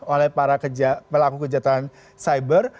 oleh para pelaku kejahatan cyber